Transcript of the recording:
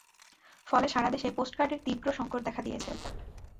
ফলে সারা দেশে পোস্টকার্ডের তীব্র সংকট দেখা দিয়েছে।